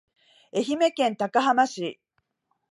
愛知県高浜市